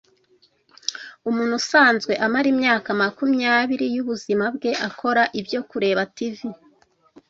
Umuntu usanzwe amara imyaka makumyabiri yubuzima bwe akora ibyo Kureba TV